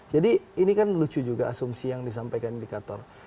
jadi ini kan lucu juga asumsi yang disampaikan indikator